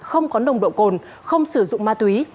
không có nồng độ cồn không sử dụng ma túy